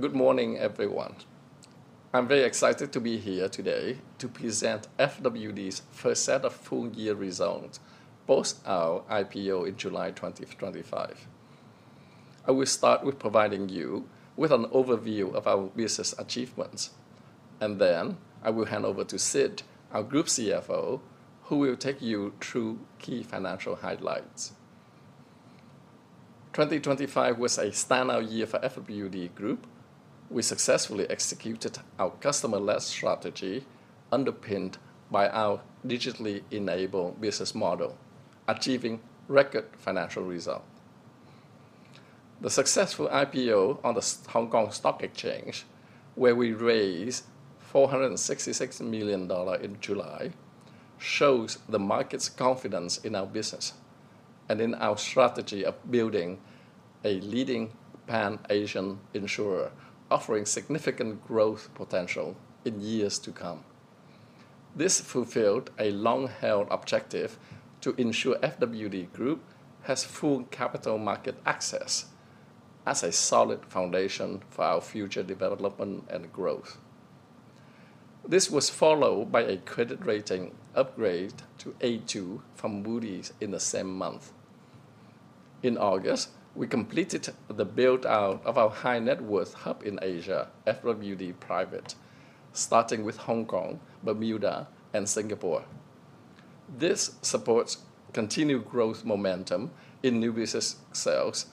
Good morning, everyone. I'm very excited to be here today to present FWD's first set of full year results post our IPO in July 2025. I will start with providing you with an overview of our business achievements, and then I will hand over to Sid, our Group CFO, who will take you through key financial highlights. 2025 was a standout year for FWD Group. We successfully executed our customer-led strategy underpinned by our digitally enabled business model, achieving record financial result. The successful IPO on the Hong Kong Stock Exchange, where we raised $466 million in July, shows the market's confidence in our business and in our strategy of building a leading Pan-Asian insurer, offering significant growth potential in years to come. This fulfilled a long-held objective to ensure FWD Group has full capital market access as a solid foundation for our future development and growth. This was followed by a credit rating upgrade to A2 from Moody's in the same month. In August, we completed the build-out of our high net worth hub in Asia, FWD Private, starting with Hong Kong, Bermuda, and Singapore. This supports continued growth momentum in new business sales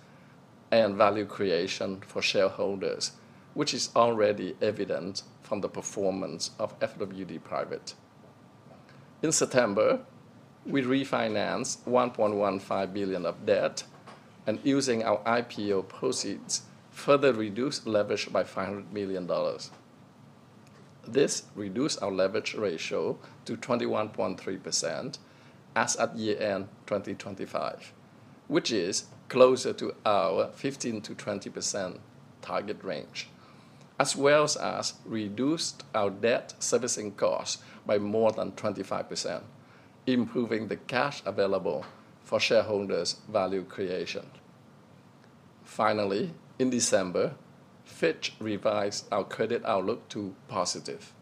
and value creation for shareholders, which is already evident from the performance of FWD Private. In September, we refinanced $1.15 billion of debt and, using our IPO proceeds, further reduced leverage by $500 million. This reduced our leverage ratio to 21.3% as at year-end 2025, which is closer to our 15%-20% target range, as well as reduced our debt servicing costs by more than 25%, improving the cash available for shareholders' value creation. Finally, in December, Fitch revised our credit outlook to positive.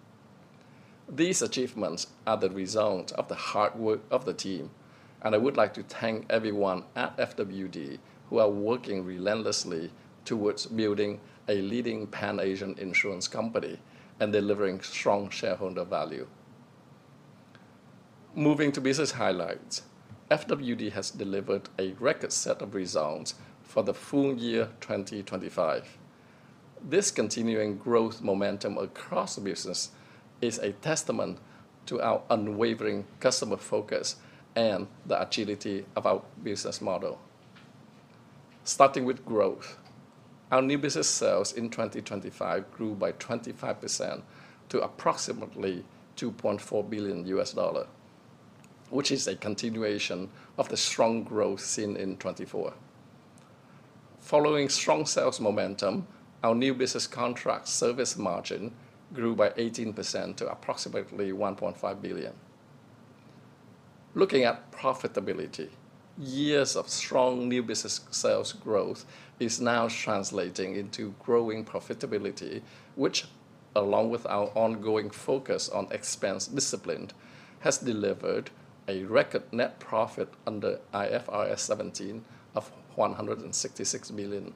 These achievements are the result of the hard work of the team, and I would like to thank everyone at FWD who are working relentlessly towards building a leading Pan-Asian insurance company and delivering strong shareholder value. Moving to business highlights. FWD has delivered a record set of results for the full year 2025. This continuing growth momentum across the business is a testament to our unwavering customer focus and the agility of our business model. Starting with growth. Our new business sales in 2025 grew by 25% to approximately $2.4 billion, which is a continuation of the strong growth seen in 2024. Following strong sales momentum, our new business contract service margin grew by 18% to approximately $1.5 billion. Looking at profitability. Years of strong new business sales growth is now translating into growing profitability, which along with our ongoing focus on expense discipline, has delivered a record net profit under IFRS 17 of $166 million.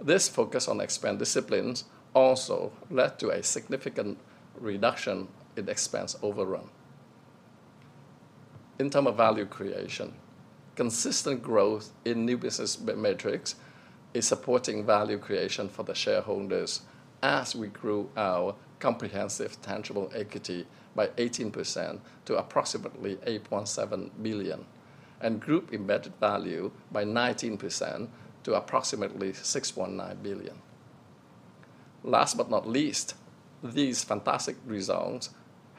This focus on expense disciplines also led to a significant reduction in expense overrun. In terms of value creation. Consistent growth in new business metrics is supporting value creation for the shareholders as we grew our comprehensive tangible equity by 18% to approximately $8.7 billion, and group embedded value by 19% to approximately $619 billion. Last but not least, these fantastic results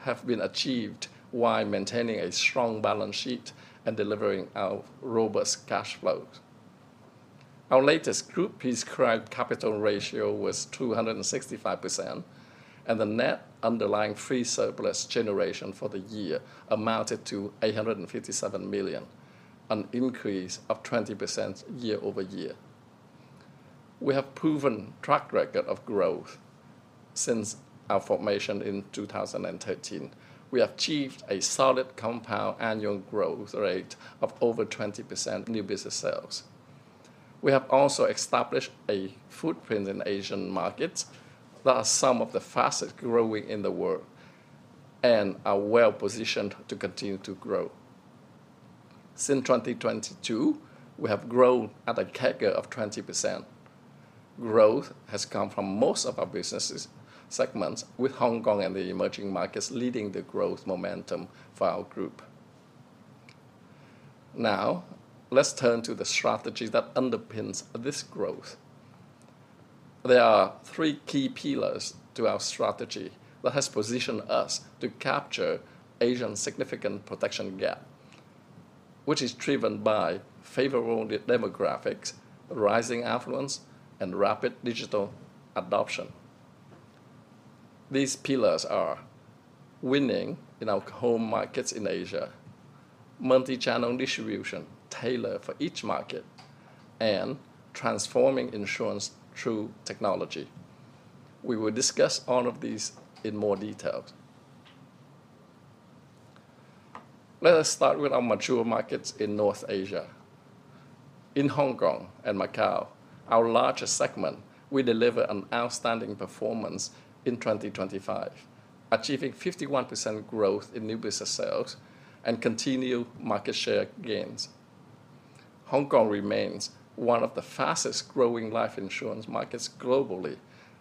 have been achieved while maintaining a strong balance sheet and delivering our robust cash flow. Our latest group prescribed capital ratio was 265%, and the net underlying free surplus generation for the year amounted to $857 million, an increase of 20% year-over-year. We have proven track record of growth since our formation in 2013. We achieved a solid compound annual growth rate of over 20% new business sales. We have also established a footprint in Asian markets that are some of the fastest growing in the world and are well positioned to continue to grow. Since 2022, we have grown at a CAGR of 20%. Growth has come from most of our business segments with Hong Kong and the emerging markets leading the growth momentum for our group. Now, let's turn to the strategy that underpins this growth. There are three key pillars to our strategy that has positioned us to capture Asia's significant protection gap, which is driven by favorable demographics, rising affluence, and rapid digital adoption. These pillars are winning in our home markets in Asia, multi-channel distribution tailored for each market, and transforming insurance through technology. We will discuss all of these in more detail. Let us start with our mature markets in North Asia. In Hong Kong and Macau, our largest segment, we deliver an outstanding performance in 2025, achieving 51% growth in new business sales and continued market share gains. Hong Kong remains one of the fastest growing life insurance markets globally,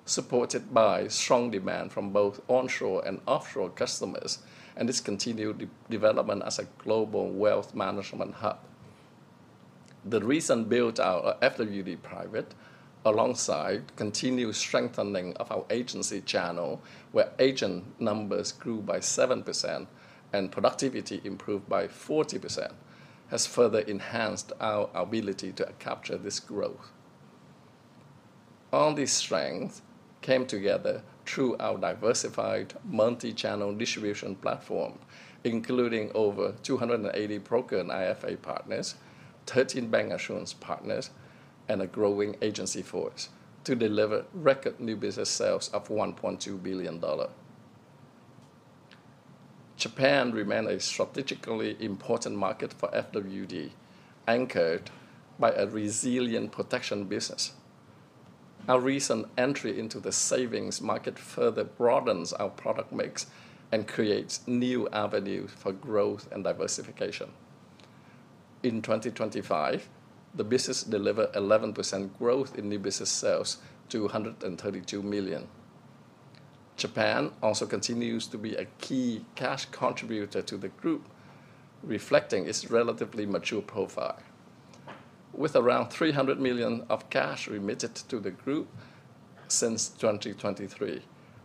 supported by strong demand from both onshore and offshore customers, and its continued development as a global wealth management hub. The recent build out of FWD Private, alongside continued strengthening of our agency channel, where agent numbers grew by 7% and productivity improved by 40%, has further enhanced our ability to capture this growth. All these strengths came together through our diversified multi-channel distribution platform, including over 280 broker and IFA partners, 13 bank insurance partners, and a growing agency force to deliver record new business sales of $1.2 billion. Japan remains a strategically important market for FWD, anchored by a resilient protection business. Our recent entry into the savings market further broadens our product mix and creates new avenues for growth and diversification. In 2025, the business delivered 11% growth in new business sales to $132 million. Japan also continues to be a key cash contributor to the group, reflecting its relatively mature profile, with around $300 million of cash remitted to the group since 2023,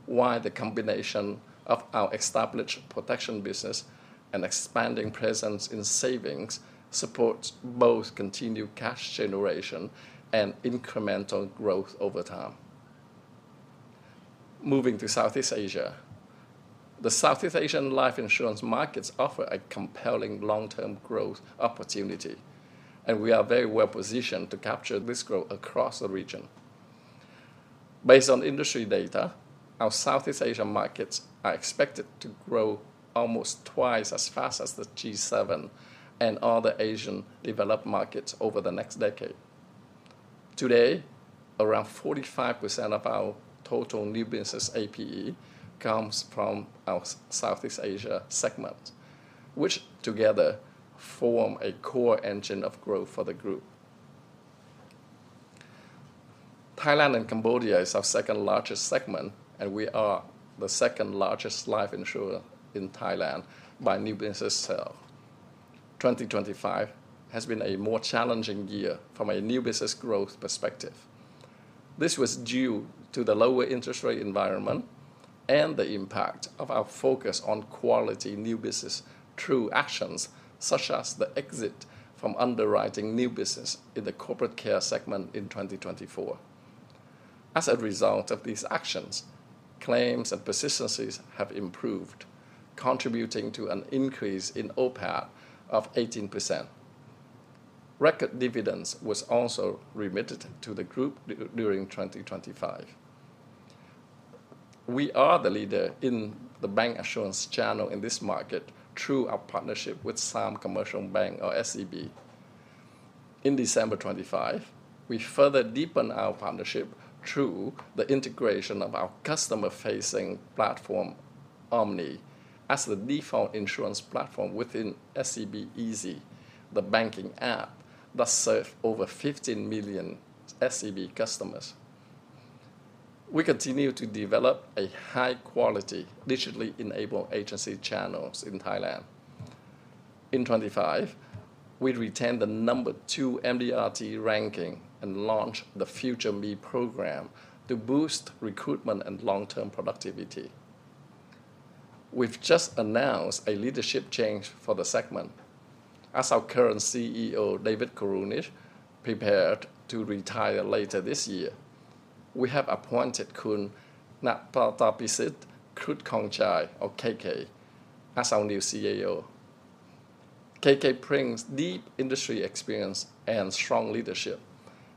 while the combination of our established protection business and expanding presence in savings supports both continued cash generation and incremental growth over time. Moving to Southeast Asia. The Southeast Asian life insurance markets offer a compelling long-term growth opportunity, and we are very well-positioned to capture this growth across the region. Based on industry data, our Southeast Asia markets are expected to grow almost twice as fast as the G7 and other Asian developed markets over the next decade. Today, around 45% of our total new business APE comes from our Southeast Asia segment, which together form a core engine of growth for the group. Thailand and Cambodia is our second-largest segment, and we are the second-largest life insurer in Thailand by new business sales. 2025 has been a more challenging year from a new business growth perspective. This was due to the lower interest rate environment and the impact of our focus on quality new business through actions such as the exit from underwriting new business in the corporate care segment in 2024. As a result of these actions, claims and persistencies have improved, contributing to an increase in OPAT of 18%. Record dividends was also remitted to the group during 2025. We are the leader in the bank insurance channel in this market through our partnership with Siam Commercial Bank, or SCB. In December 2025, we further deepen our partnership through the integration of our customer-facing platform, Omne, as the default insurance platform within SCB EASY, the banking app that serve over 15 million SCB customers. We continue to develop a high quality, digitally enabled agency channels in Thailand. In 2025, we retained the number two MDRT ranking and launched the FutureMe program to boost recruitment and long-term productivity. We've just announced a leadership change for the segment. As our current CEO, David Korunič, prepared to retire later this year, we have appointed Khun Knattapisit Krutkrongchai, or KK, as our new CEO. KK brings deep industry experience and strong leadership,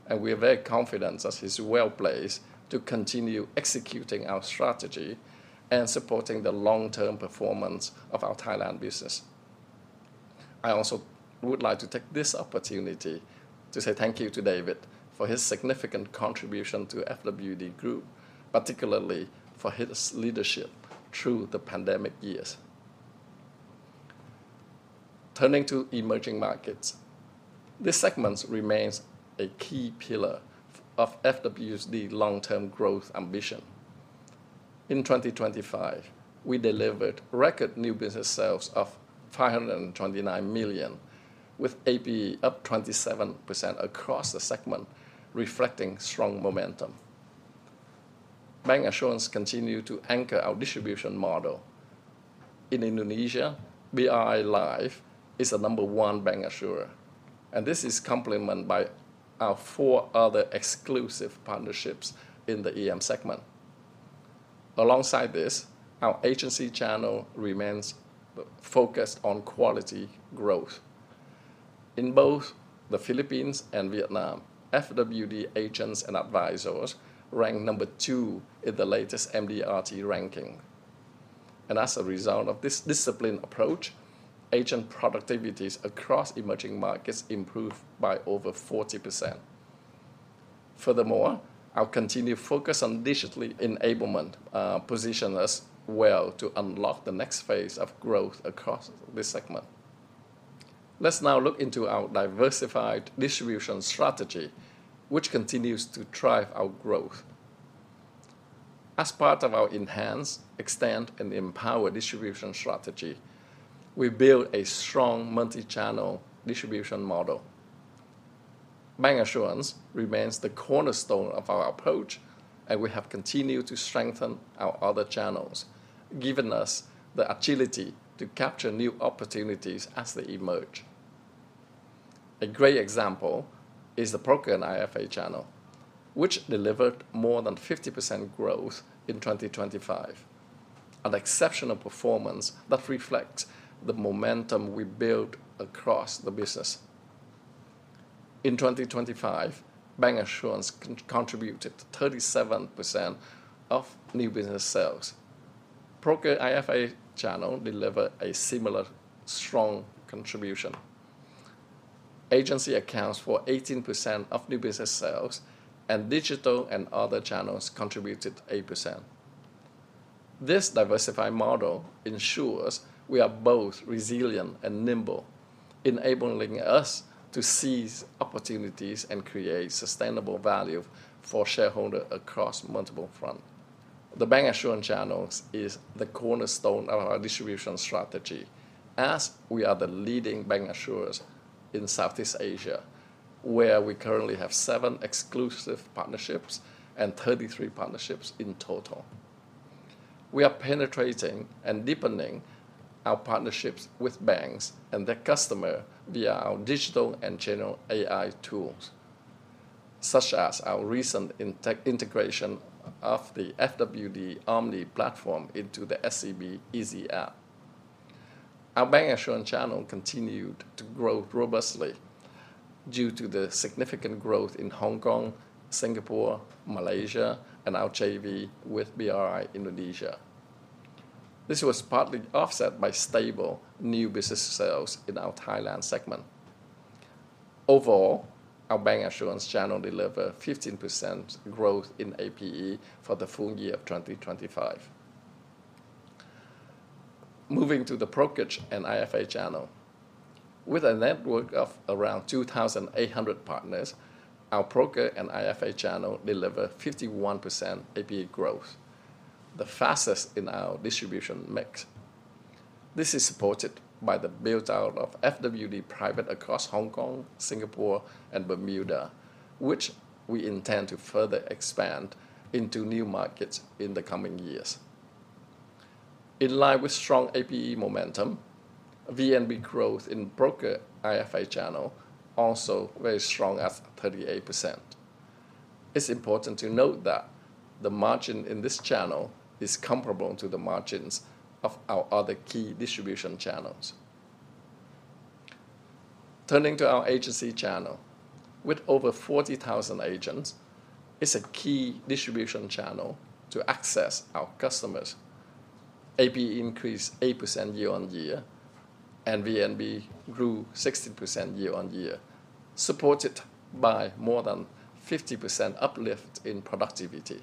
and we are very confident that he's well-placed to continue executing our strategy and supporting the long-term performance of our Thailand business. I also would like to take this opportunity to say thank you to David for his significant contribution to FWD Group, particularly for his leadership through the pandemic years. Turning to emerging markets, this segment remains a key pillar of FWD's long-term growth ambition. In 2025, we delivered record new business sales of $529 million, with APE up 27% across the segment, reflecting strong momentum. Bancassurance continued to anchor our distribution model. In Indonesia, BRI Life is the number one bancassurance. This is complemented by our four other exclusive partnerships in the EM segment. Alongside this, our agency channel remains focused on quality growth. In both the Philippines and Vietnam, FWD agents and advisors rank number two in the latest MDRT ranking. As a result of this disciplined approach, agent productivities across emerging markets improved by over 40%. Furthermore, our continued focus on digital enablement position us well to unlock the next phase of growth across this segment. Let's now look into our diversified distribution strategy, which continues to drive our growth. As part of our enhanced extend and empower distribution strategy, we build a strong multi-channel distribution model. Bancassurance remains the cornerstone of our approach, and we have continued to strengthen our other channels, giving us the agility to capture new opportunities as they emerge. A great example is the Broker and IFA channel, which delivered more than 50% growth in 2025, an exceptional performance that reflects the momentum we built across the business. In 2025, bancassurance contributed 37% of new business sales. Broker IFA channel delivered a similar strong contribution. Agency accounts for 18% of new business sales, and digital and other channels contributed 8%. This diversified model ensures we are both resilient and nimble, enabling us to seize opportunities and create sustainable value for shareholders across multiple fronts. The bancassurance channels is the cornerstone of our distribution strategy. We are the leading bancassurance in Southeast Asia, where we currently have seven exclusive partnerships and 33 partnerships in total. We are penetrating and deepening our partnerships with banks and their customers via our digital and generative AI tools, such as our recent integration of the FWD Omne platform into the SCB EASY app. Our bancassurance channel continued to grow robustly due to the significant growth in Hong Kong, Singapore, Malaysia, and our JV with BRI Indonesia. This was partly offset by stable new business sales in our Thailand segment. Overall, our bancassurance channel delivered 15% growth in APE for the full year of 2025. Moving to the Brokerage and IFA channel. With a network of around 2,800 partners, our Broker and IFA channel delivered 51% APE growth, the fastest in our distribution mix. This is supported by the build-out of FWD Private across Hong Kong, Singapore, and Bermuda, which we intend to further expand into new markets in the coming years. In line with strong APE momentum, VNB growth in Broker IFA channel also very strong at 38%. It's important to note that the margin in this channel is comparable to the margins of our other key distribution channels. Turning to our agency channel. With over 40,000 agents, it's a key distribution channel to access our customers. APE increased 8% year-on-year, and VNB grew 60% year-on-year, supported by more than 50% uplift in productivity.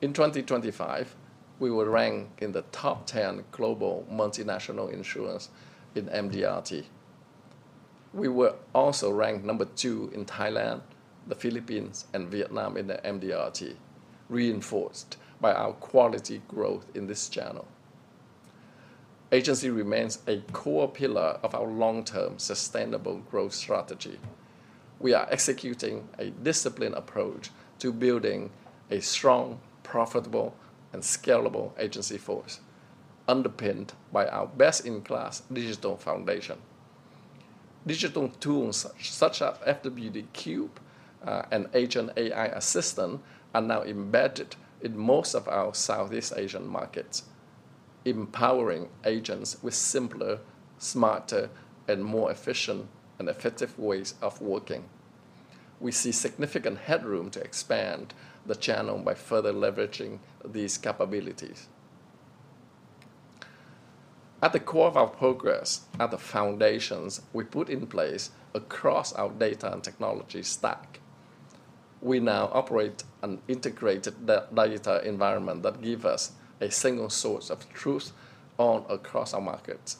In 2025, we were ranked in the top 10 global multinational insurers in MDRT. We were also ranked number two in Thailand, the Philippines, and Vietnam in the MDRT, reinforced by our quality growth in this channel. Agency remains a core pillar of our long-term sustainable growth strategy. We are executing a disciplined approach to building a strong, profitable, and scalable agency force, underpinned by our best-in-class digital foundation. Digital tools such as FWD Cube and Agent AI Assistant are now embedded in most of our Southeast Asian markets, empowering agents with simpler, smarter, and more efficient and effective ways of working. We see significant headroom to expand the channel by further leveraging these capabilities. At the core of our progress are the foundations we put in place across our data and technology stack. We now operate an integrated data environment that give us a single source of truth all across our markets.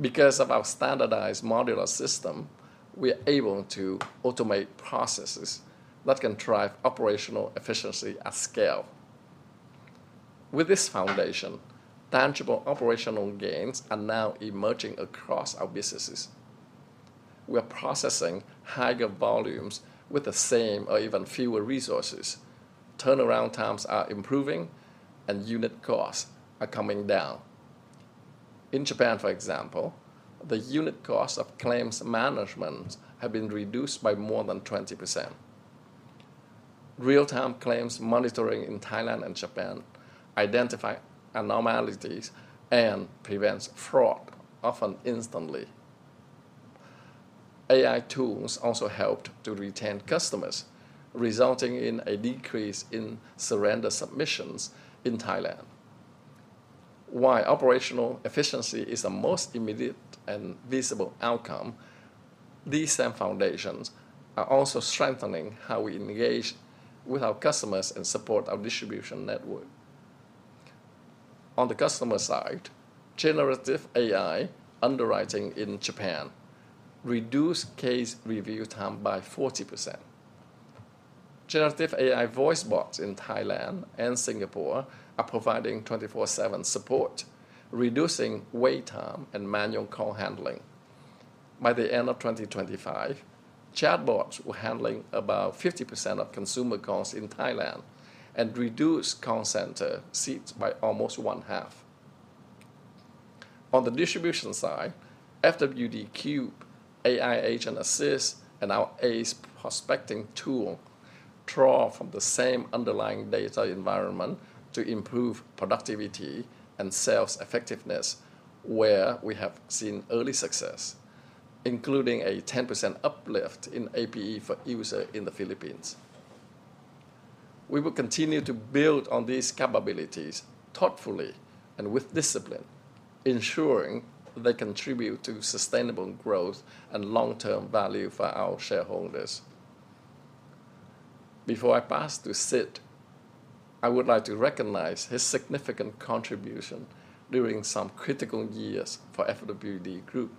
Because of our standardized modular system, we are able to automate processes that can drive operational efficiency at scale. With this foundation, tangible operational gains are now emerging across our businesses. We are processing higher volumes with the same or even fewer resources. Turnaround times are improving and unit costs are coming down. In Japan, for example, the unit costs of claims management have been reduced by more than 20%. Real-time claims monitoring in Thailand and Japan identify anomalies and prevents fraud, often instantly. AI tools also helped to retain customers, resulting in a decrease in surrender submissions in Thailand. While operational efficiency is the most immediate and visible outcome, these same foundations are also strengthening how we engage with our customers and support our distribution network. On the customer side, generative AI underwriting in Japan reduced case review time by 40%. Generative AI voice bots in Thailand and Singapore are providing 24/7 support, reducing wait time and manual call handling. By the end of 2025, chatbots were handling about 50% of consumer calls in Thailand and reduced call center seats by almost one half. On the distribution side, FWD Cube, AI Agent Assist, and our ACE prospecting tool draw from the same underlying data environment to improve productivity and sales effectiveness, where we have seen early success, including a 10% uplift in APE for users in the Philippines. We will continue to build on these capabilities thoughtfully and with discipline, ensuring they contribute to sustainable growth and long-term value for our shareholders. Before I pass to Sid, I would like to recognize his significant contribution during some critical years for FWD Group,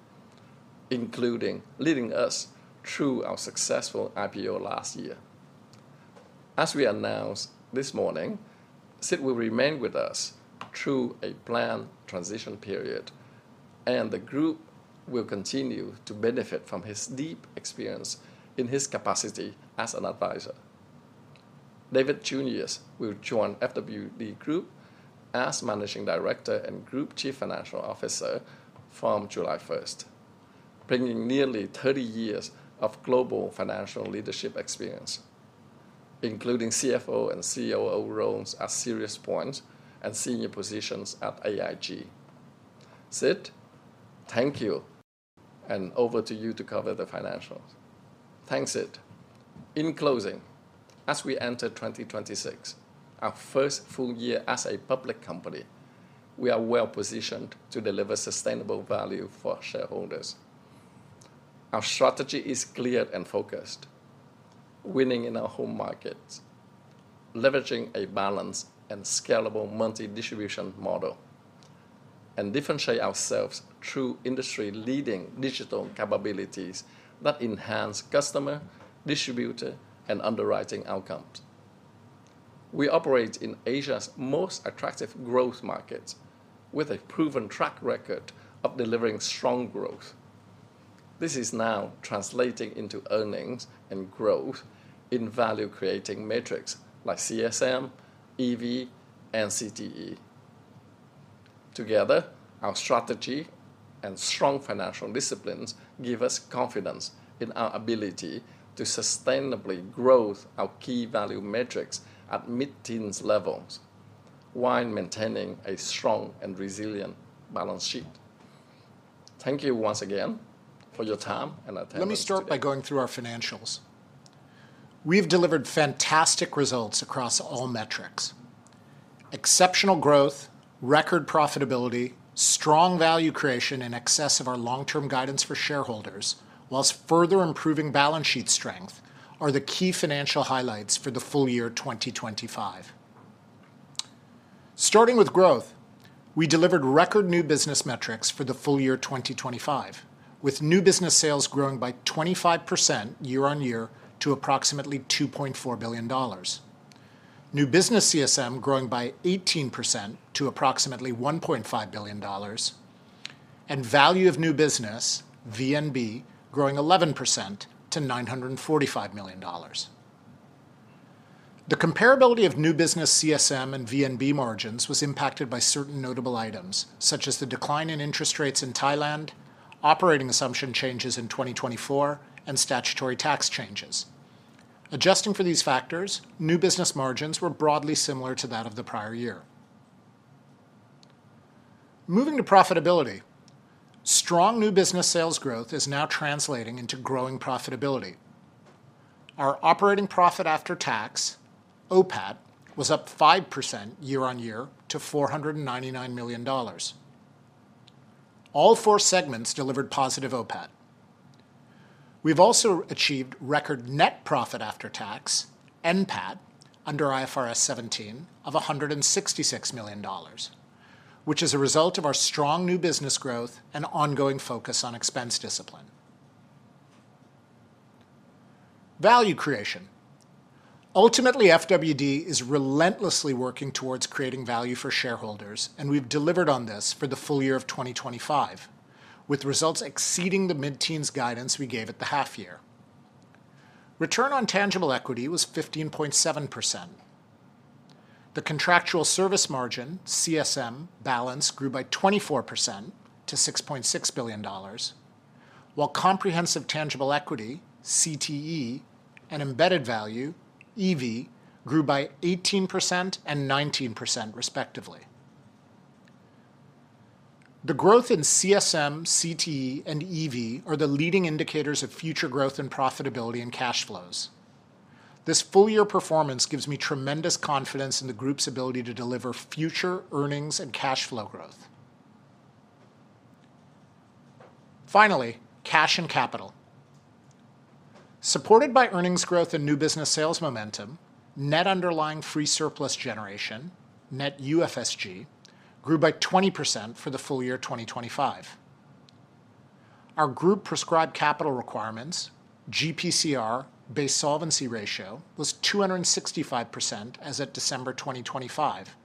including leading us through our successful IPO last year. As we announced this morning, Sid will remain with us through a planned transition period, and the group will continue to benefit from his deep experience in his capacity as an advisor. David Junius will join FWD Group as Managing Director and Group Chief Financial Officer from July first, bringing nearly 30 years of global financial leadership experience, including CFO and COO roles at SiriusPoint and senior positions at AIG. Sid, thank you, and over to you to cover the financials. Thanks, Sid. In closing, as we enter 2026, our first full year as a public company, we are well-positioned to deliver sustainable value for our shareholders. Our strategy is clear and focused, winning in our home markets, leveraging a balanced and scalable multi-distribution model, and differentiate ourselves through industry-leading digital capabilities that enhance customer, distributor, and underwriting outcomes. We operate in Asia's most attractive growth markets with a proven track record of delivering strong growth. This is now translating into earnings and growth in value-creating metrics like CSM, EV, and CTE. Together, our strategy and strong financial disciplines give us confidence in our ability to sustainably grow our key value metrics at mid-teens levels while maintaining a strong and resilient balance sheet. Thank you once again for your time and attention today. Let me start by going through our financials. We've delivered fantastic results across all metrics. Exceptional growth, record profitability, strong value creation in excess of our long-term guidance for shareholders, while further improving balance sheet strength are the key financial highlights for the full year 2025. Starting with growth, we delivered record new business metrics for the full year 2025, with new business sales growing by 25% year-on-year to approximately $2.4 billion. New business CSM growing by 18% to approximately $1.5 billion, and value of new business, VNB, growing 11% to $945 million. The comparability of new business CSM and VNB margins was impacted by certain notable items, such as the decline in interest rates in Thailand, operating assumption changes in 2024, and statutory tax changes. Adjusting for these factors, new business margins were broadly similar to that of the prior year. Moving to profitability, strong new business sales growth is now translating into growing profitability. Our operating profit after tax, OPAT, was up 5% year-on-year to $499 million. All four segments delivered positive OPAT. We've also achieved record net profit after tax, NPAT, under IFRS 17 of $166 million, which is a result of our strong new business growth and ongoing focus on expense discipline. Value creation. Ultimately, FWD is relentlessly working towards creating value for shareholders, and we've delivered on this for the full year of 2025, with results exceeding the mid-teens guidance we gave at the half year. Return on tangible equity was 15.7%. The contractual service margin, CSM, balance grew by 24% to $6.6 billion, while comprehensive tangible equity, CTE, and embedded value, EV, grew by 18% and 19% respectively. The growth in CSM, CTE, and EV are the leading indicators of future growth and profitability in cash flows. This full year performance gives me tremendous confidence in the group's ability to deliver future earnings and cash flow growth. Finally, cash and capital. Supported by earnings growth and new business sales momentum, net underlying free surplus generation, net UFSG, grew by 20% for the full year 2025. Our group prescribed capital requirements, GPCR, base solvency ratio was 265% as of December 2025,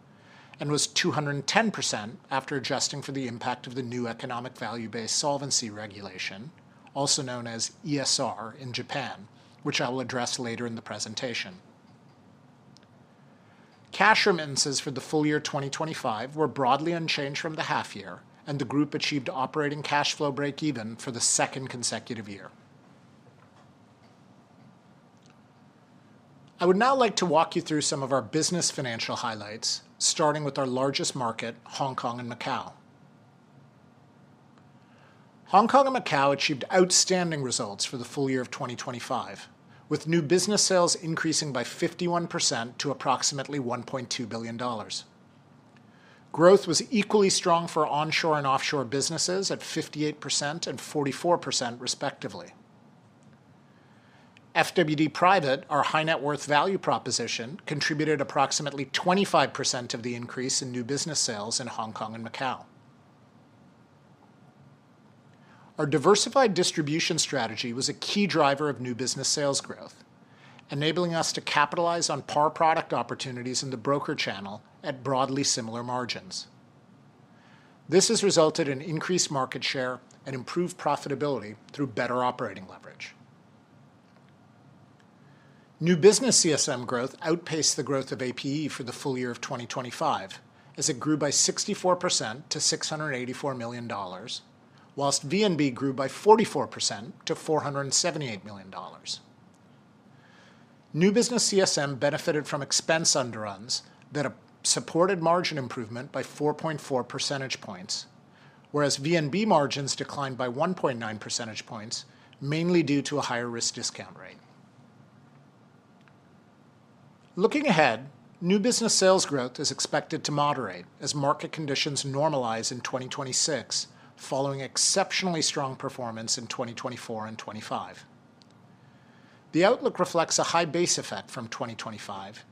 and was 210% after adjusting for the impact of the new economic value-based solvency regulation, also known as ESR in Japan, which I will address later in the presentation. Cash remittances for the full year 2025 were broadly unchanged from the half year, and the group achieved operating cash flow break even for the second consecutive year. I would now like to walk you through some of our business financial highlights, starting with our largest market, Hong Kong and Macau. Hong Kong and Macau achieved outstanding results for the full year of 2025, with new business sales increasing by 51% to approximately $1.2 billion. Growth was equally strong for onshore and offshore businesses at 58% and 44% respectively. FWD Private, our high-net-worth value proposition, contributed approximately 25% of the increase in new business sales in Hong Kong and Macau. Our diversified distribution strategy was a key driver of new business sales growth, enabling us to capitalize on par product opportunities in the broker channel at broadly similar margins. This has resulted in increased market share and improved profitability through better operating leverage. New business CSM growth outpaced the growth of APE for the full year of 2025, as it grew by 64% to $684 million, while VNB grew by 44% to $478 million. New business CSM benefited from expense underruns that supported margin improvement by 4.4 percentage points, whereas VNB margins declined by 1.9 percentage points, mainly due to a higher risk discount rate. Looking ahead, new business sales growth is expected to moderate as market conditions normalize in 2026 following exceptionally strong performance in 2024 and 2025. The outlook reflects a high base effect from 2025,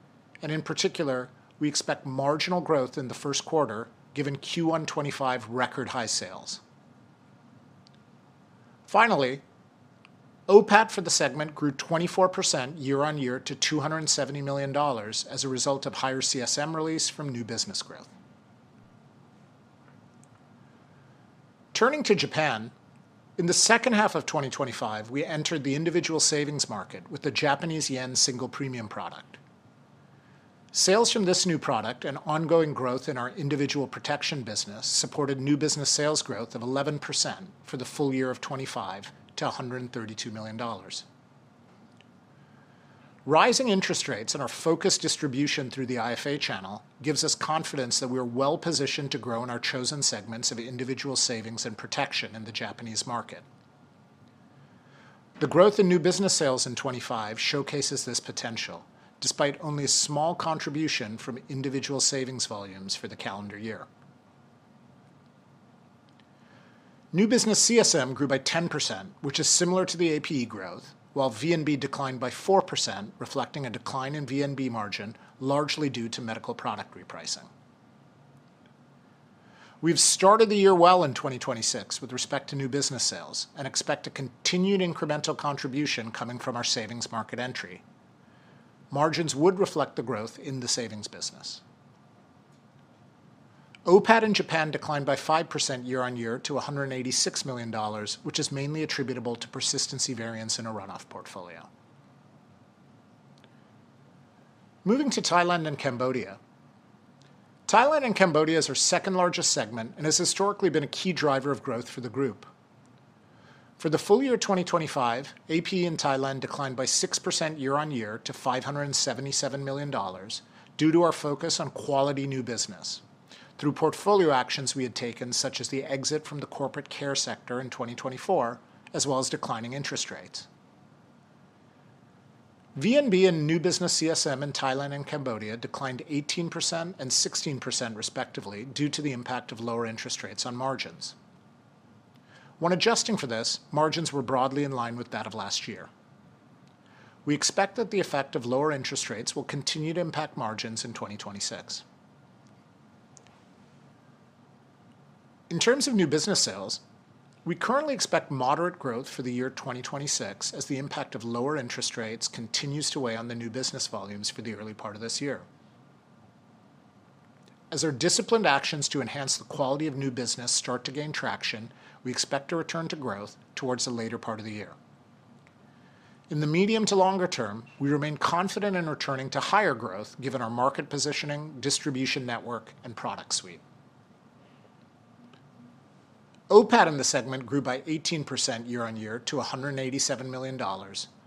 and in particular, we expect marginal growth in the first quarter given Q1 2025 record high sales. Finally, OPAT for the segment grew 24% year-on-year to $270 million as a result of higher CSM release from new business growth. Turning to Japan, in the second half of 2025, we entered the individual savings market with the Japanese yen single premium product. Sales from this new product and ongoing growth in our individual protection business supported new business sales growth of 11% for the full year of 2025 to $132 million. Rising interest rates and our focused distribution through the IFA channel gives us confidence that we are well-positioned to grow in our chosen segments of individual savings and protection in the Japanese market. The growth in new business sales in 2025 showcases this potential, despite only a small contribution from individual savings volumes for the calendar year. New business CSM grew by 10%, which is similar to the APE growth, while VNB declined by 4%, reflecting a decline in VNB margin largely due to medical product repricing. We've started the year well in 2026 with respect to new business sales and expect a continued incremental contribution coming from our savings market entry. Margins would reflect the growth in the savings business. OPAT in Japan declined by 5% year-on-year to $186 million, which is mainly attributable to persistency variance in a runoff portfolio. Moving to Thailand and Cambodia. Thailand and Cambodia is our second-largest segment and has historically been a key driver of growth for the group. For the full year 2025, APE in Thailand declined by 6% year-on-year to $577 million due to our focus on quality new business through portfolio actions we had taken, such as the exit from the corporate care sector in 2024, as well as declining interest rates. VNB and new business CSM in Thailand and Cambodia declined 18% and 16% respectively due to the impact of lower interest rates on margins. When adjusting for this, margins were broadly in line with that of last year. We expect that the effect of lower interest rates will continue to impact margins in 2026. In terms of new business sales, we currently expect moderate growth for the year 2026 as the impact of lower interest rates continues to weigh on the new business volumes for the early part of this year. As our disciplined actions to enhance the quality of new business start to gain traction, we expect to return to growth towards the later part of the year. In the medium to longer term, we remain confident in returning to higher growth given our market positioning, distribution network, and product suite. OPAT in the segment grew by 18% year-on-year to $187 million,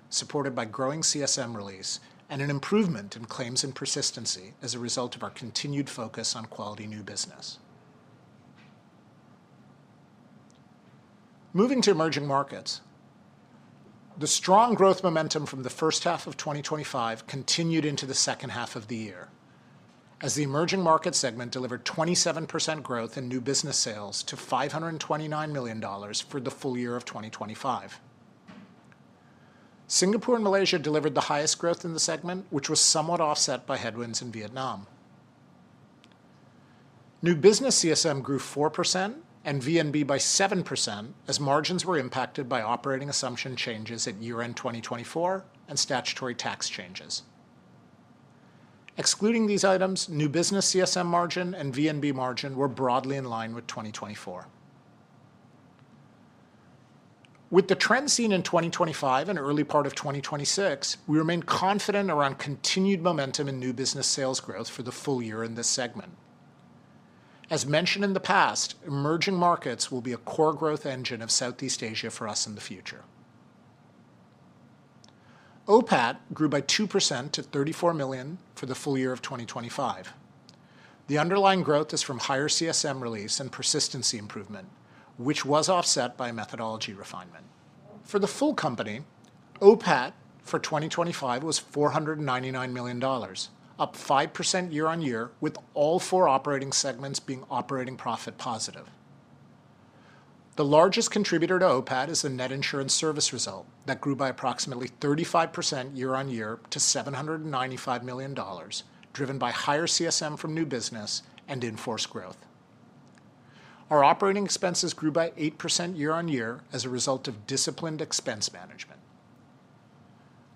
supported by growing CSM release and an improvement in claims and persistency as a result of our continued focus on quality new business. Moving to emerging markets, the strong growth momentum from the first half of 2025 continued into the second half of the year as the emerging market segment delivered 27% growth in new business sales to $529 million for the full year of 2025. Singapore and Malaysia delivered the highest growth in the segment, which was somewhat offset by headwinds in Vietnam. New business CSM grew 4% and VNB by 7% as margins were impacted by operating assumption changes at year-end 2024 and statutory tax changes. Excluding these items, new business CSM margin and VNB margin were broadly in line with 2024. With the trend seen in 2025 and early part of 2026, we remain confident around continued momentum in new business sales growth for the full year in this segment. As mentioned in the past, emerging markets will be a core growth engine of Southeast Asia for us in the future. OPAT grew by 2% to $34 million for the full year of 2025. The underlying growth is from higher CSM release and persistency improvement, which was offset by a methodology refinement. For the full company, OPAT for 2025 was $499 million, up 5% year-on-year, with all four operating segments being operating profit positive. The largest contributor to OPAT is the net insurance service result that grew by approximately 35% year-on-year to $795 million, driven by higher CSM from new business and in-force growth. Our operating expenses grew by 8% year-on-year as a result of disciplined expense management.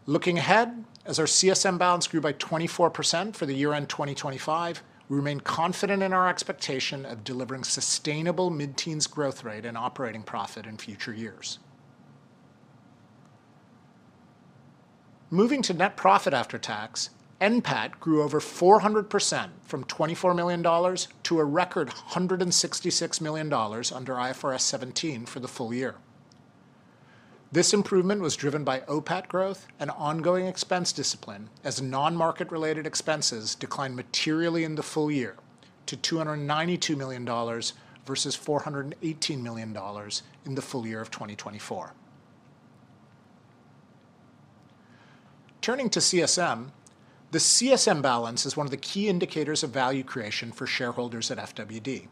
Looking ahead, as our CSM balance grew by 24% for the year-end 2025, we remain confident in our expectation of delivering sustainable mid-teens growth rate and operating profit in future years. Moving to net profit after tax, NPAT grew over 400% from $24 million to a record $166 million under IFRS 17 for the full year. This improvement was driven by OPAT growth and ongoing expense discipline as non-market related expenses declined materially in the full year to $292 million versus $418 million in the full year of 2024. Turning to CSM, the CSM balance is one of the key indicators of value creation for shareholders at FWD,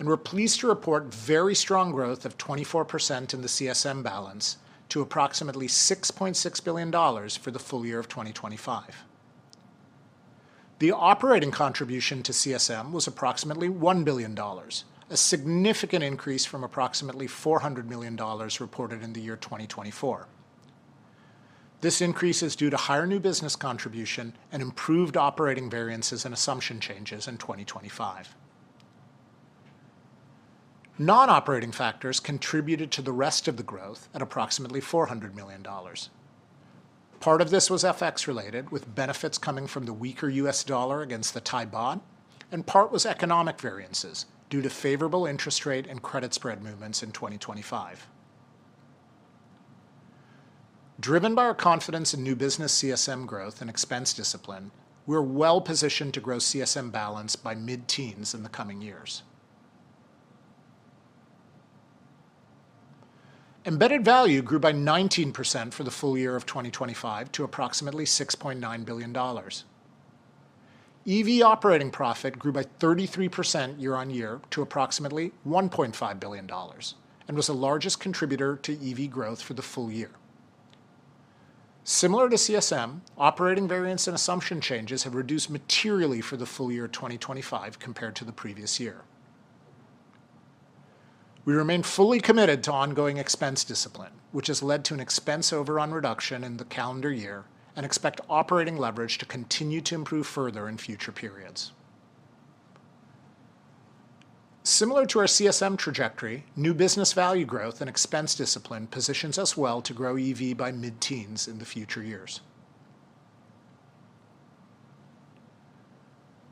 and we're pleased to report very strong growth of 24% in the CSM balance to approximately $6.6 billion for the full year of 2025. The operating contribution to CSM was approximately $1 billion, a significant increase from approximately $400 million reported in the year 2024. This increase is due to higher new business contribution and improved operating variances and assumption changes in 2025. Non-operating factors contributed to the rest of the growth at approximately $400 million. Part of this was FX related, with benefits coming from the weaker U.S. dollar against the Thai baht, and part was economic variances due to favorable interest rate and credit spread movements in 2025. Driven by our confidence in new business CSM growth and expense discipline, we're well-positioned to grow CSM balance by mid-teens in the coming years. Embedded value grew by 19% for the full year of 2025 to approximately $6.9 billion. EV operating profit grew by 33% year on year to approximately $1.5 billion and was the largest contributor to EV growth for the full year. Similar to CSM, operating variance and assumption changes have reduced materially for the full year 2025 compared to the previous year. We remain fully committed to ongoing expense discipline, which has led to an expense overrun reduction in the calendar year and expect operating leverage to continue to improve further in future periods. Similar to our CSM trajectory, new business value growth and expense discipline positions us well to grow EV by mid-teens in the future years.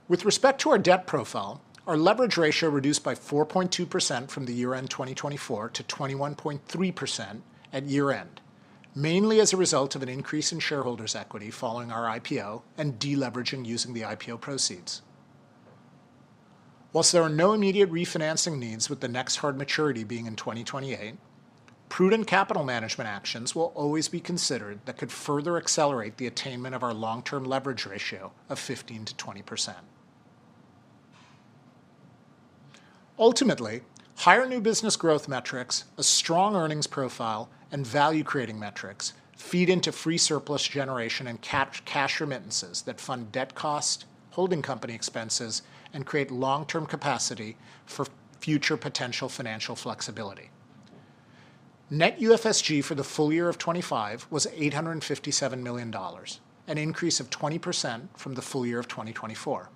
With respect to our debt profile, our leverage ratio reduced by 4.2% from the year-end 2024 to 21.3% at year-end, mainly as a result of an increase in shareholders' equity following our IPO and de-leveraging using the IPO proceeds. While there are no immediate refinancing needs with the next hard maturity being in 2028, prudent capital management actions will always be considered that could further accelerate the attainment of our long-term leverage ratio of 15%-20%. Ultimately, higher new business growth metrics, a strong earnings profile, and value creating metrics feed into free surplus generation and cash remittances that fund debt cost, holding company expenses, and create long-term capacity for future potential financial flexibility. Net UFSG for the full year of 2025 was $857 million, an increase of 20% from the full year of 2024.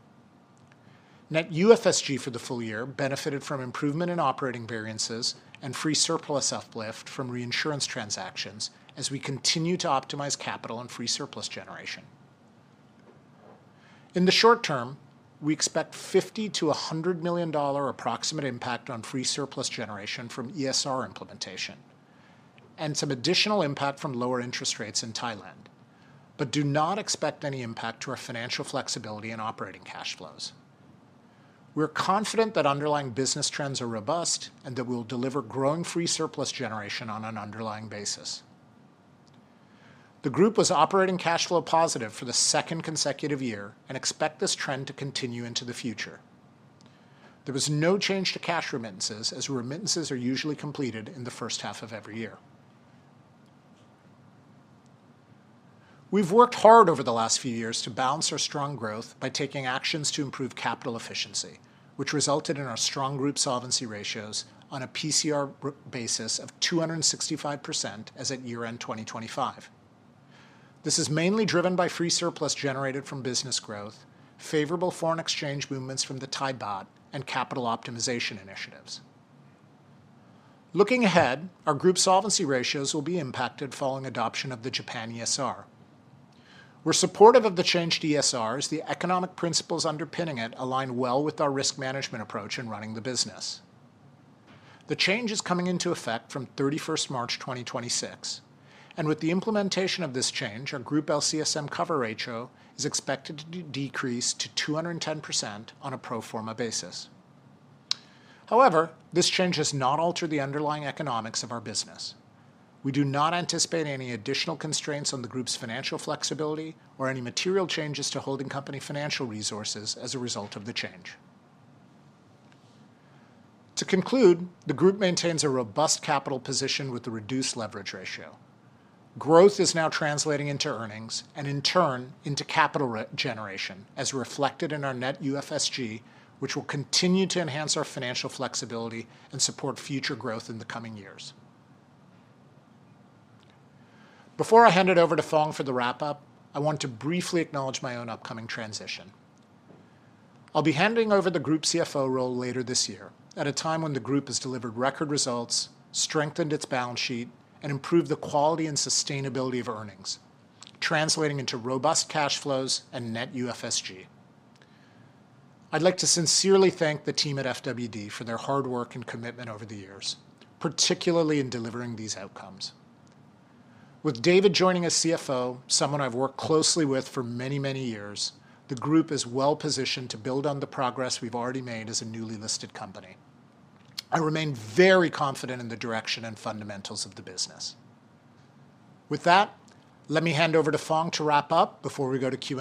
Net UFSG for the full year benefited from improvement in operating variances and free surplus uplift from reinsurance transactions as we continue to optimize capital and free surplus generation. In the short term, we expect $50-$100 million approximate impact on free surplus generation from ESR implementation and some additional impact from lower interest rates in Thailand, but do not expect any impact to our financial flexibility in operating cash flows. We are confident that underlying business trends are robust and that we'll deliver growing free surplus generation on an underlying basis. The group was operating cash flow positive for the second consecutive year and expect this trend to continue into the future. There was no change to cash remittances as remittances are usually completed in the first half of every year. We've worked hard over the last few years to balance our strong growth by taking actions to improve capital efficiency, which resulted in our strong group solvency ratios on a PCR basis of 265% as at year-end 2025. This is mainly driven by free surplus generated from business growth, favorable foreign exchange movements from the Thai baht, and capital optimization initiatives. Looking ahead, our group solvency ratios will be impacted following adoption of the Japan ESR. We're supportive of the change to ESR as the economic principles underpinning it align well with our risk management approach in running the business. The change is coming into effect from March 31, 2026, and with the implementation of this change, our group LCSM cover ratio is expected to decrease to 210% on a pro forma basis. However, this change has not altered the underlying economics of our business. We do not anticipate any additional constraints on the group's financial flexibility or any material changes to holding company financial resources as a result of the change. To conclude, the group maintains a robust capital position with a reduced leverage ratio. Growth is now translating into earnings and in turn into capital re-generation, as reflected in our net UFSG, which will continue to enhance our financial flexibility and support future growth in the coming years. Before I hand it over to Fong for the wrap-up, I want to briefly acknowledge my own upcoming transition. I'll be handing over the group CFO role later this year at a time when the group has delivered record results, strengthened its balance sheet, and improved the quality and sustainability of earnings, translating into robust cash flows and net UFSG. I'd like to sincerely thank the team at FWD for their hard work and commitment over the years, particularly in delivering these outcomes. With David joining as CFO, someone I've worked closely with for many, many years, the group is well-positioned to build on the progress we've already made as a newly listed company. I remain very confident in the direction and fundamentals of the business. With that, let me hand over to Fong to wrap up before we go to Q&A.